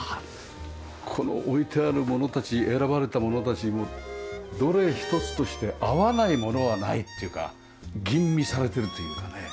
この置いてあるものたち選ばれたものたちもどれ一つとして合わないものはないっていうか吟味されてるというかね。